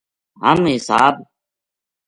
ہم حساب